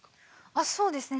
あそうですね。